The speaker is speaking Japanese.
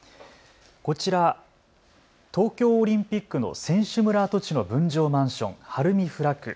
こちら、東京オリンピックの選手村跡地の分譲マンション、晴海フラッグ。